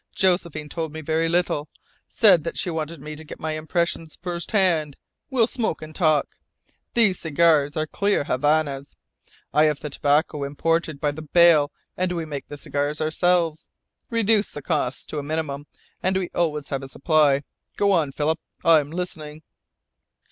"Josephine told me very little said that she wanted me to get my impressions first hand. We'll smoke and talk. These cigars are clear Havanas. I have the tobacco imported by the bale and we make the cigars ourselves. Reduces the cost to a minimum, and we always have a supply. Go on, Philip, I'm listening."